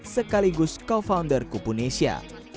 sekaligus co founder kupunesia